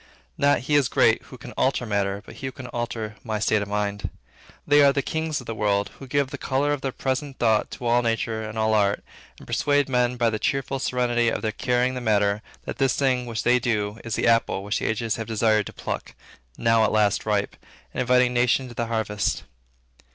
Not he is great who can alter matter, but he who can alter my state of mind. They are the kings of the world who give the color of their present thought to all nature and all art, and persuade men by the cheerful serenity of their carrying the matter, that this thing which they do, is the apple which the ages have desired to pluck, now at last ripe, and inviting nations to the harvest.